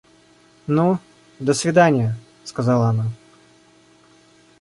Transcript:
– Ну, до свиданья! – сказала она.